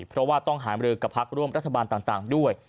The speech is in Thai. เพราะว่าต้องหามรือกับพักร่วมรัฐบาลต่างด้วย